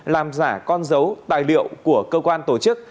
làm giả con dấu tài liệu của cơ quan tổ chức